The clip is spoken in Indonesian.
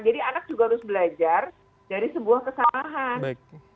jadi anak juga harus belajar dari sebuah kesalahan